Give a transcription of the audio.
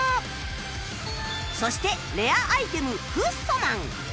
そしてレアアイテムフッ素マン